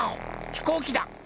ひこうきだ！